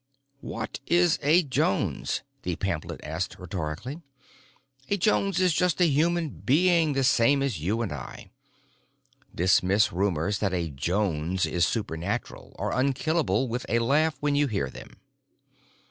"What is a Jones?" the pamphlet asked rhetorically. "A Jones is just a human being, the same as you and I. Dismiss rumors that a Jones is supernatural or unkillable with a laugh when you hear them.